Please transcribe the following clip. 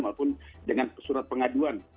maka pun dengan surat pengaduan